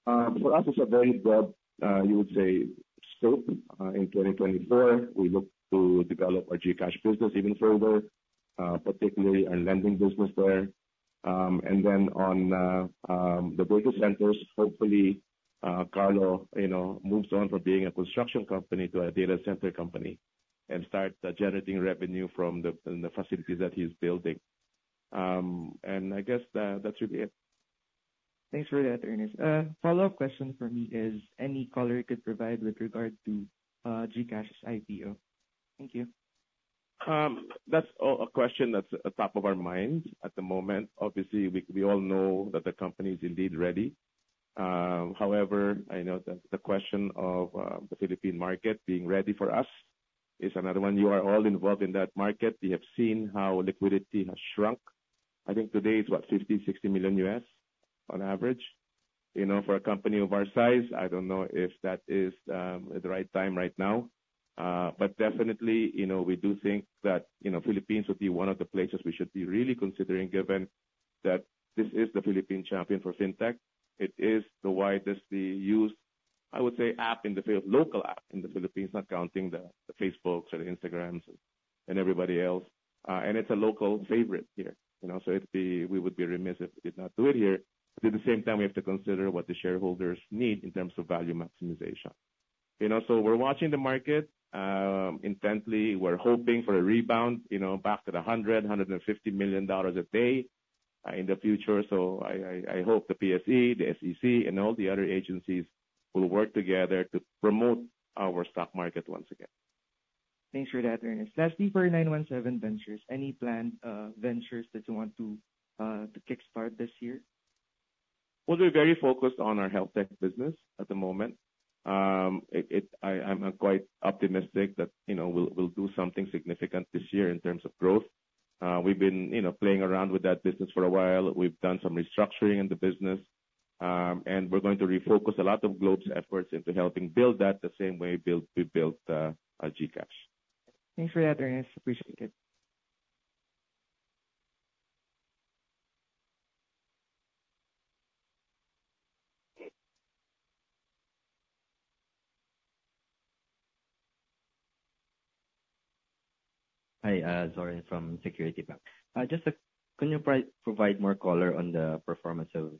For us, it's a very broad, you would say, scope. In 2024, we look to develop our GCash business even further, particularly our lending business there. And then on the data centers, hopefully, Carlo, you know, moves on from being a construction company to a data center company and starts generating revenue from the facilities that he's building. And I guess that should be it. Thanks for that, Ernest. A follow-up question for me is, any color you could provide with regard to, GCash's IPO? Thank you. That's a question that's at the top of our minds at the moment. Obviously, we all know that the company is indeed ready. However, I know that the question of the Philippine market being ready for us is another one. You are all involved in that market. We have seen how liquidity has shrunk. I think today it's, what? $50-$60 million on average. You know, for a company of our size, I don't know if that is the right time right now. But definitely, you know, we do think that, you know, Philippines would be one of the places we should be really considering, given that this is the Philippine champion for fintech. It is the widely used, I would say, app in the Philippines, local app in the Philippines, not counting the Facebooks and the Instagrams and everybody else. It's a local favorite here, you know, so it'd be. We would be remiss if not do it here. But at the same time, we have to consider what the shareholders need in terms of value maximization. You know, so we're watching the market intently. We're hoping for a rebound, you know, back to the $150 million a day in the future. So I hope the PSE, the SEC, and all the other agencies will work together to promote our stock market once again. Thanks for that, Ernest. Lastly, for 917Ventures, any planned ventures that you want to kickstart this year? Well, we're very focused on our health tech business at the moment. I'm quite optimistic that, you know, we'll do something significant this year in terms of growth. We've been, you know, playing around with that business for a while. We've done some restructuring in the business. And we're going to refocus a lot of Globe's efforts into helping build that, the same way we built GCash. Thanks for that, Ernest. Appreciate it. Hi, Zoren from Security Bank. Just, can you provide more color on the performance of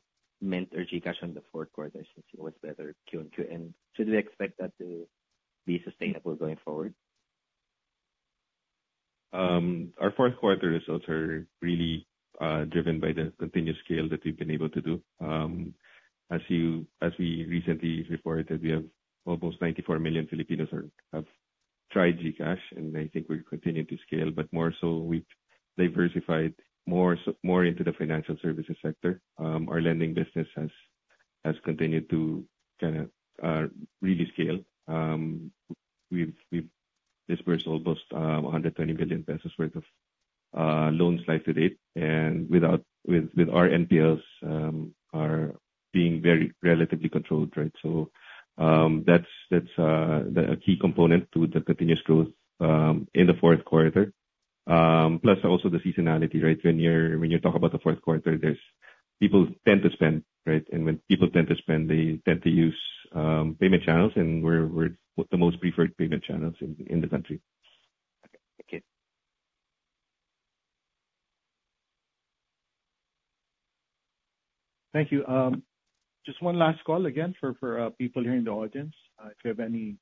Mint or GCash on the Q4? I should see what's better Q on Q. And should we expect that to be sustainable going forward? Our Q4 results are really driven by the continuous scale that we've been able to do. As we recently reported, almost 94 million Filipinos have tried GCash, and I think we're continuing to scale, but more so we've diversified more so, more into the financial services sector. Our lending business has continued to really scale. We've disbursed almost 120 billion pesos worth of loans life to date, and with our NPLs being very relatively controlled, right? So, that's a key component to the continuous growth in the Q4. Plus also the seasonality, right? When you talk about the Q4, there's... People tend to spend, right? When people tend to spend, they tend to use payment channels, and we're one of the most preferred payment channels in the country. Okay. Thank you. Thank you. Just one last call again for people here in the audience, if you have any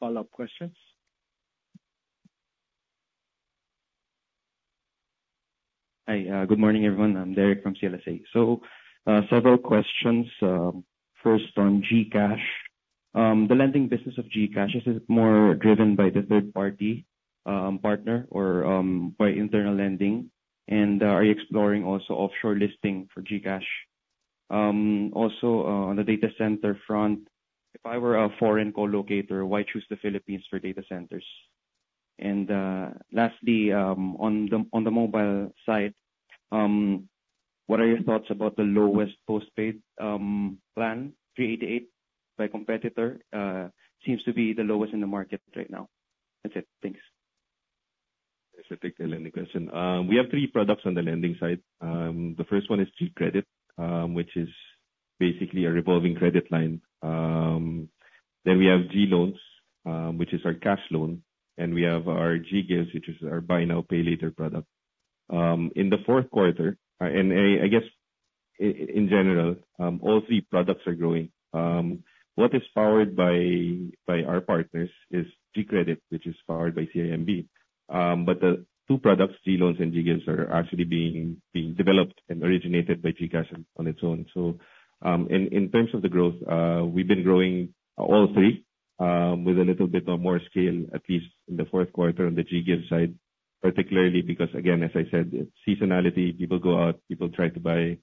follow-up questions. Hi, good morning, everyone. I'm Derek from CLSA. So, several questions. First, on GCash. The lending business of GCash, is it more driven by the third party partner or by internal lending? And, are you exploring also offshore listing for GCash? Also, on the data center front, if I were a foreign co-locator, why choose the Philippines for data centers? And, lastly, on the mobile side, what are your thoughts about the lowest postpaid plan, 388, by competitor? Seems to be the lowest in the market right now. That's it. Thanks. So I'll take the lending question. We have three products on the lending side. The first one is GCredit, which is basically a revolving credit line. Then we have GLoans, which is our cash loan, and we have our GGives, which is our buy now, pay later product. In the Q4, and I guess in general, all three products are growing. What is powered by our partners is GCredit, which is powered by CIMB. But the two products, GLoans and GGives, are actually being developed and originated by GCash on its own. So, in terms of the growth, we've been growing all three, with a little bit of more scale, at least in the Q4 on the GGives side, particularly because again, as I said, it's seasonality. People go out, people try to buy,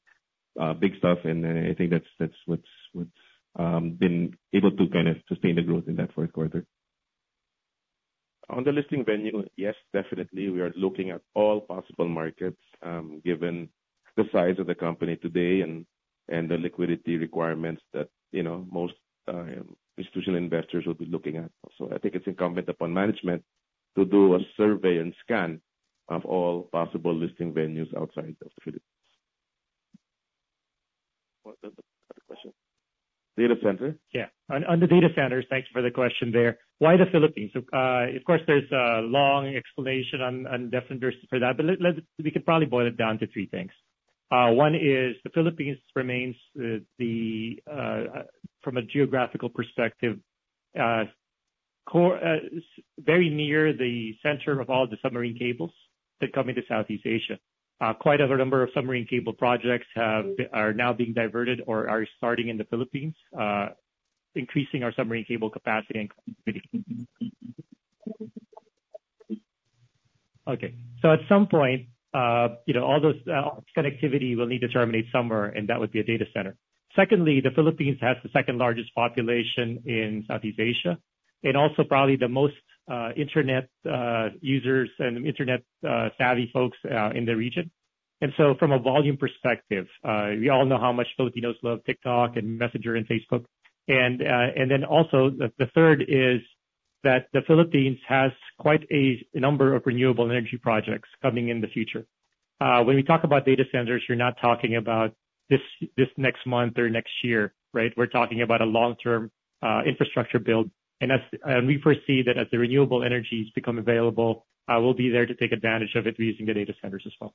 big stuff, and, I think that's, that's what's, what's, been able to kind of sustain the growth in that Q4. On the listing venue, yes, definitely, we are looking at all possible markets, given the size of the company today and, and the liquidity requirements that, you know, most, institutional investors will be looking at. So I think it's incumbent upon management to do a survey and scan of all possible listing venues outside of the Philippines. What's the other question? Data center. Yeah. On the data centers, thanks for the question there. Why the Philippines? So, of course, there's a long explanation on different reasons for that, but let's—we could probably boil it down to three things. One is the Philippines remains the from a geographical perspective very near the center of all the submarine cables that come into Southeast Asia. Quite a number of submarine cable projects are now being diverted or are starting in the Philippines, increasing our submarine cable capacity and. Okay, so at some point, you know, all those connectivity will need to terminate somewhere, and that would be a data center. Secondly, the Philippines has the second largest population in Southeast Asia, and also probably the most internet users and internet savvy folks in the region. And so from a volume perspective, we all know how much Filipinos love TikTok and Messenger and Facebook. And then also, the third is that the Philippines has quite a number of renewable energy projects coming in the future. When we talk about data centers, you're not talking about this next month or next year, right? We're talking about a long-term infrastructure build. And we foresee that as the renewable energies become available, we'll be there to take advantage of it using the data centers as well.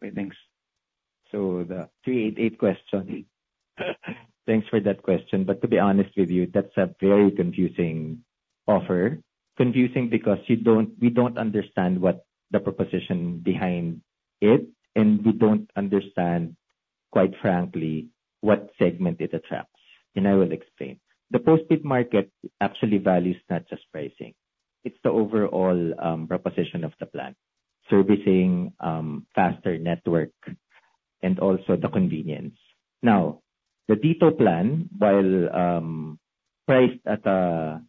Great. Thanks. So the 388 question. Thanks for that question. But to be honest with you, that's a very confusing offer. Confusing because we don't understand what the proposition behind it, and we don't understand, quite frankly, what segment it attracts, and I will explain. The postpaid market actually values not just pricing, it's the overall proposition of the plan. Servicing faster network and also the convenience. Now, the Tito plan, while priced at an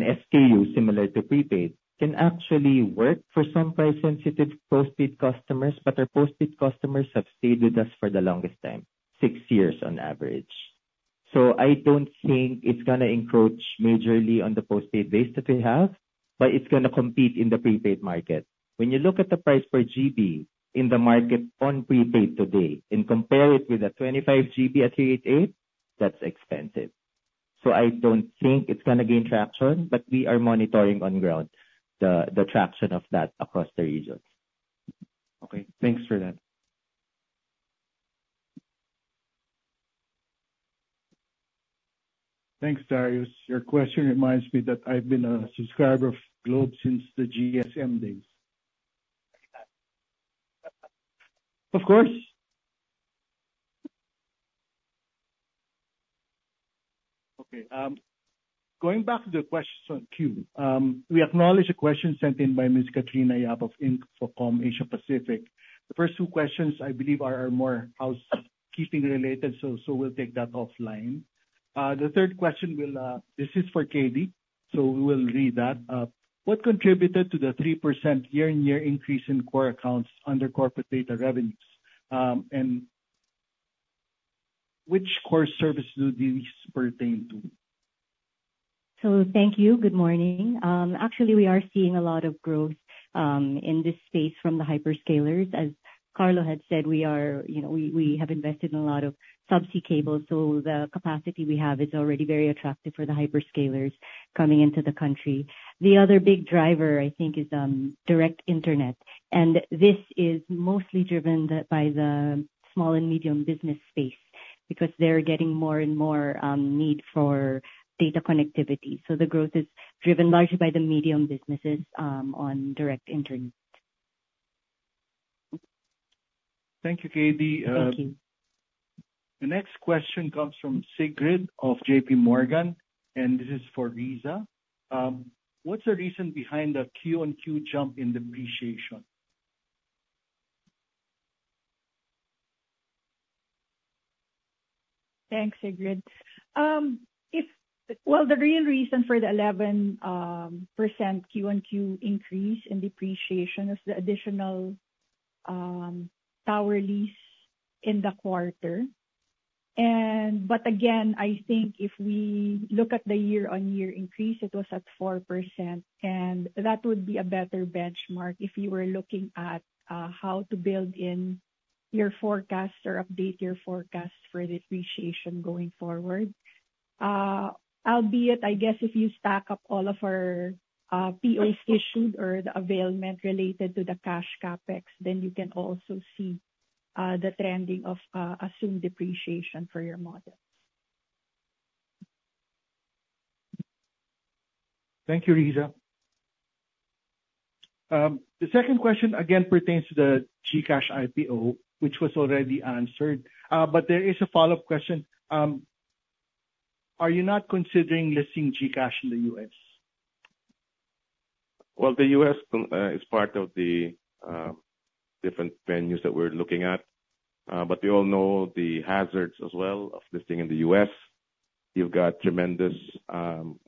SKU similar to prepaid, can actually work for some price-sensitive postpaid customers, but our postpaid customers have stayed with us for the longest time, six years on average. So I don't think it's gonna encroach majorly on the postpaid base that we have, but it's gonna compete in the prepaid market. When you look at the price per GB in the market on prepaid today and compare it with a 25 GB at 388, that's expensive. So I don't think it's gonna gain traction, but we are monitoring on ground the traction of that across the region. Okay, thanks for that. Thanks, Darius. Your question reminds me that I've been a subscriber of Globe since the GSM days. Of course. Okay, going back to the question queue, we acknowledge a question sent in by Ms. Katrina Yap of Inc for Comm Asia Pacific. The first two questions, I believe, are more housekeeping related, so we'll take that offline. The third question will, this is for Katie, so we will read that. What contributed to the 3% year-on-year increase in core accounts under corporate data revenues? And which core services do these pertain to? So thank you. Good morning. Actually, we are seeing a lot of growth in this space from the hyperscalers. As Carlo had said, you know, we have invested in a lot of subsea cables, so the capacity we have is already very attractive for the hyperscalers coming into the country. The other big driver, I think, is direct internet, and this is mostly driven by the small and medium business space because they're getting more and more need for data connectivity. So the growth is driven largely by the medium businesses on direct internet. Thank you, Katie. Thank you. The next question comes from Sigrid of JP Morgan, and this is for Rizza. What's the reason behind the Q-on-Q jump in depreciation? Thanks, Sigrid. Well, the real reason for the 11% Q-on-Q increase in depreciation is the additional tower lease in the quarter. But again, I think if we look at the year-on-year increase, it was at 4%, and that would be a better benchmark if you were looking at how to build in your forecast or update your forecast for the depreciation going forward. Albeit, I guess if you stack up all of our POs issued or the availment related to the cash CapEx, then you can also see the trending of assumed depreciation for your model. Thank you, Rizza. The second question again pertains to the GCash IPO, which was already answered. But there is a follow-up question. Are you not considering listing GCash in the U.S.? Well, the U.S. is part of the different venues that we're looking at, but we all know the hazards as well of listing in the U.S. You've got tremendous,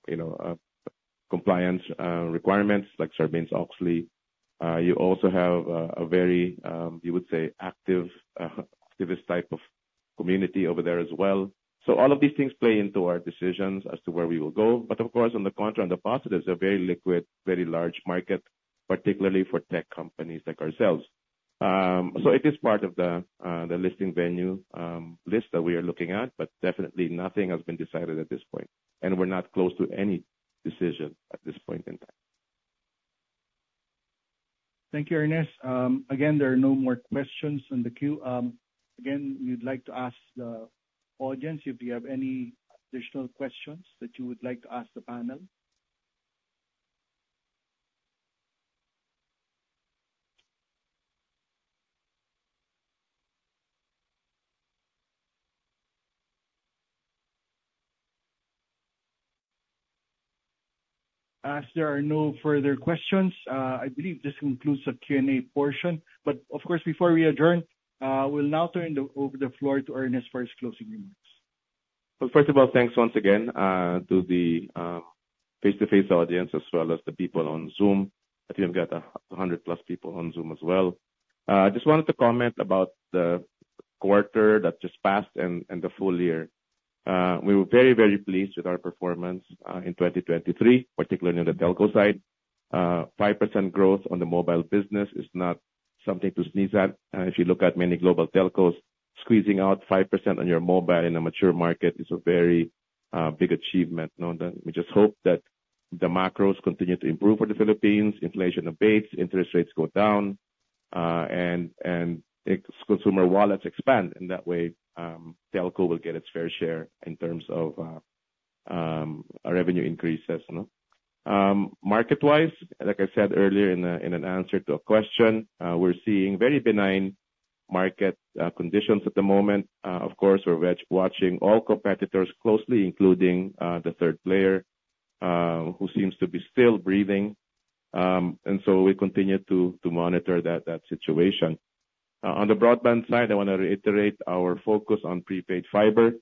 you know, compliance requirements like Sarbanes-Oxley. You also have a very, you would say, active, activist type of community over there as well. So all of these things play into our decisions as to where we will go. But of course, on the contra and the positives, a very liquid, very large market, particularly for tech companies like ourselves. So it is part of the the listing venue list that we are looking at, but definitely nothing has been decided at this point, and we're not close to any decision at this point in time. Thank you, Ernest. Again, there are no more questions in the queue. Again, we'd like to ask the audience if you have any additional questions that you would like to ask the panel. As there are no further questions, I believe this concludes the Q&A portion. But of course, before we adjourn, we'll now turn over the floor to Ernest for his closing remarks. Well, first of all, thanks once again to the face-to-face audience as well as the people on Zoom. I think I've got 100 plus people on Zoom as well. Just wanted to comment about the quarter that just passed and the full year. We were very, very pleased with our performance in 2023, particularly on the telco side. 5% growth on the mobile business is not something to sneeze at. If you look at many global telcos, squeezing out 5% on your mobile in a mature market is a very big achievement, no doubt. We just hope that the macros continue to improve for the Philippines, inflation abates, interest rates go down, and consumer wallets expand. In that way, telco will get its fair share in terms of our revenue increases, you know. Market-wise, like I said earlier in an answer to a question, we're seeing very benign market conditions at the moment. Of course, we're watching all competitors closely, including the third player who seems to be still breathing. And so we continue to monitor that situation. On the broadband side, I want to reiterate our focus on prepaid fiber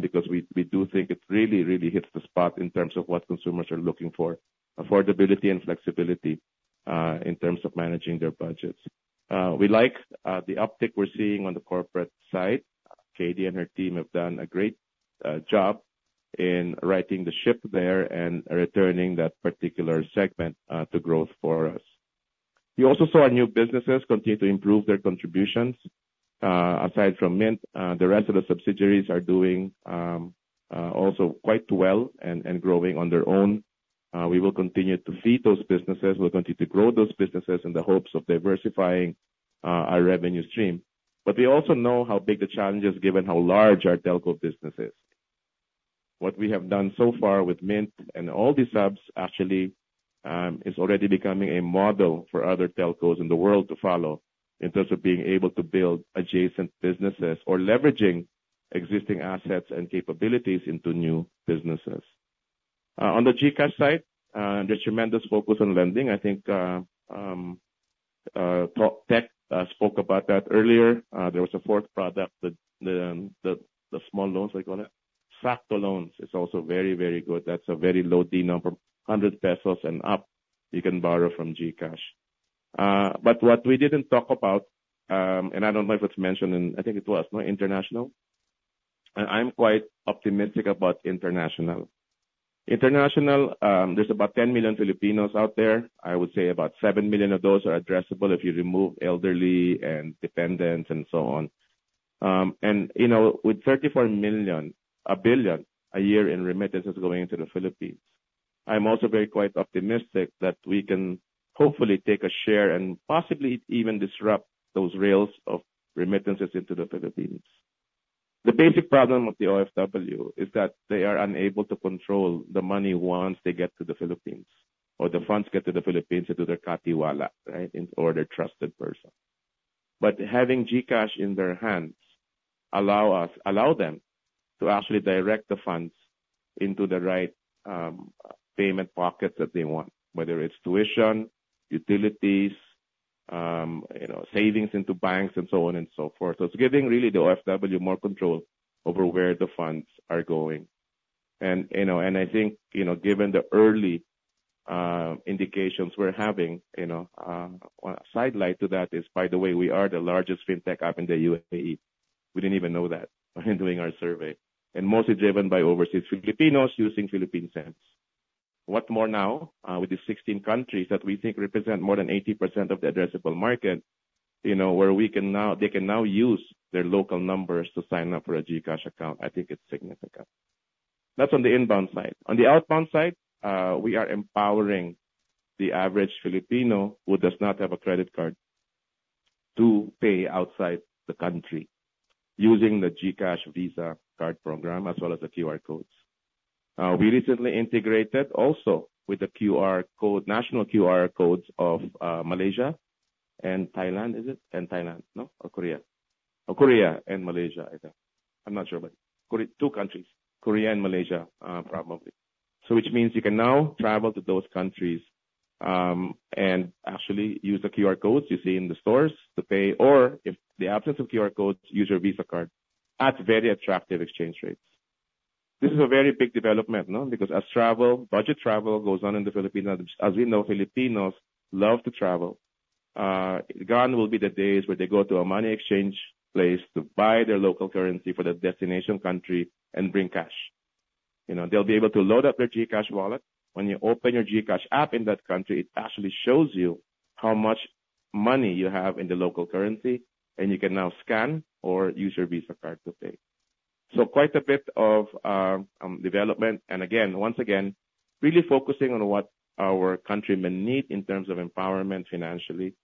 because we do think it really hits the spot in terms of what consumers are looking for: affordability and flexibility in terms of managing their budgets. We like the uptick we're seeing on the corporate side. Katie and her team have done a great job in righting the ship there and returning that particular segment to growth for us. We also saw our new businesses continue to improve their contributions. Aside from Mynt, the rest of the subsidiaries are doing also quite well and growing on their own. We will continue to feed those businesses. We're going to grow those businesses in the hopes of diversifying our revenue stream. But we also know how big the challenge is given how large our telco business is. What we have done so far with Mynt and all the subs, actually, is already becoming a model for other telcos in the world to follow in terms of being able to build adjacent businesses or leveraging existing assets and capabilities into new businesses. On the GCash side, and the tremendous focus on lending, I think, Tech spoke about that earlier. There was a fourth product that the, the small loans, I call it. Sakto Loans is also very, very good. That's a very low denom, 100 pesos and up you can borrow from GCash. But what we didn't talk about, and I don't know if it's mentioned, and I think it was, no, international? I'm quite optimistic about international. International, there's about 10 million Filipinos out there. I would say about 7 million of those are addressable if you remove elderly and dependents and so on. And, you know, with 34 million, $1 billion a year in remittances going into the Philippines, I'm also very quite optimistic that we can hopefully take a share and possibly even disrupt those rails of remittances into the Philippines. The basic problem with the OFW is that they are unable to control the money once they get to the Philippines, or the funds get to the Philippines into their katiwala, right? Or their trusted person. But having GCash in their hands allow them to actually direct the funds into the right, payment pocket that they want, whether it's tuition, utilities, you know, savings into banks, and so on and so forth. So it's giving really the OFW more control over where the funds are going. You know, I think, given the early indications we're having, you know, a sidelight to that is, by the way, we are the largest fintech app in the UAE. We didn't even know that in doing our survey, and mostly driven by overseas Filipinos using Philippine SIMs. What more now with the 16 countries that we think represent more than 80% of the addressable market, you know, where they can now use their local numbers to sign up for a GCash account, I think it's significant. That's on the inbound side. On the outbound side, we are empowering the average Filipino who does not have a credit card to pay outside the country using the GCash Visa card program, as well as the QR codes. We recently integrated also with the QR code, national QR codes of Malaysia and Thailand, is it? And Thailand, no? Or Korea. Korea and Malaysia, I think. I'm not sure, but two countries, Korea and Malaysia, probably. So which means you can now travel to those countries, and actually use the QR codes you see in the stores to pay, or if the absence of QR codes, use your Visa card at very attractive exchange rates. This is a very big development, no? Because as travel, budget travel goes on in the Philippines, as we know, Filipinos love to travel. Gone will be the days where they go to a money exchange place to buy their local currency for their destination country and bring cash. You know, they'll be able to load up their GCash wallet. When you open your GCash app in that country, it actually shows you how much money you have in the local currency, and you can now scan or use your Visa card to pay. So quite a bit of development, and again, once again, really focusing on what our countrymen need in terms of empowerment financially,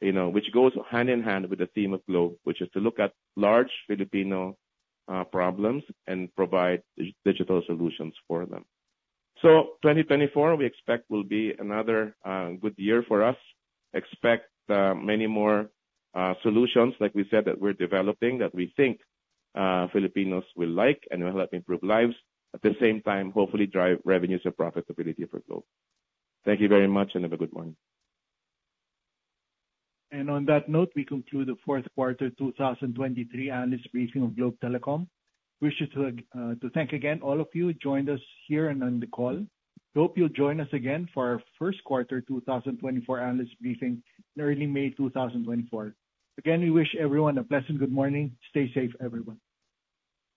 you know, which goes hand in hand with the theme of Globe, which is to look at large Filipino problems and provide digital solutions for them. So 2024, we expect, will be another good year for us. Expect many more solutions, like we said, that we're developing, that we think Filipinos will like and will help improve lives, at the same time, hopefully drive revenues and profitability for Globe. Thank you very much, and have a good morning. On that note, we conclude the Q4 2023 analyst briefing of Globe Telecom. We wish to to thank again all of you who joined us here and on the call. Hope you'll join us again for our Q1 2024 analyst briefing, early May 2024. Again, we wish everyone a pleasant, good morning. Stay safe, everyone.